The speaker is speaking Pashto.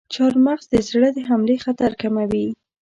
چارمغز د زړه د حملې خطر کموي.